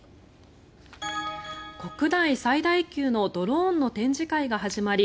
国内最大級のドローンの展示会が始まり